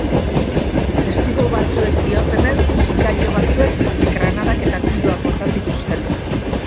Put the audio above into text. Testigu batzuek diotenez, sikario batzuek granadak eta tiroak bota zituzten.